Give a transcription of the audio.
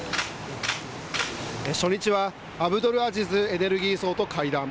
初日は、アブドルアジズエネルギー相と会談。